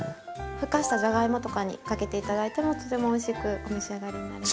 ふかしたじゃがいもとかにかけて頂いてもとてもおいしくお召し上がりになれます。